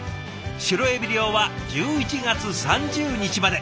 シロエビ漁は１１月３０日まで。